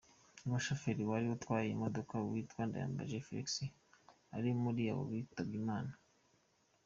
Umushoferi wari utwaye iyi modoka witwa Ndayambaje Felix ari muri abo bitabye Imana.